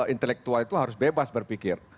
intelektual itu harus bebas berpikir